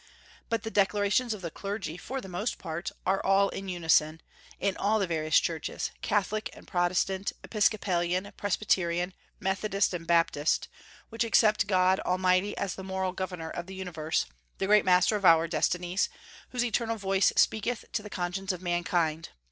But the declarations of the clergy, for the most part, are all in unison, in all the various churches Catholic and Protestant, Episcopalian, Presbyterian, Methodist and Baptist which accept God Almighty as the moral governor of the universe, the great master of our destinies, whose eternal voice speaketh to the conscience of mankind.